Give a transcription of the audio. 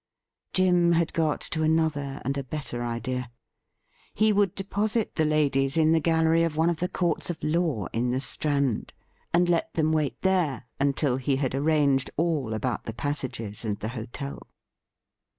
Jim had got to another and a better idea. He would deposit the ladies in the gallery of one of the courts of law in the Strand, and let them wait there until he had arranged all about the passages and the hotel.